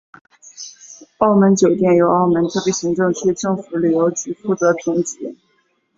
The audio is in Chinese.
澳门酒店由澳门特别行政区政府旅游局负责评级。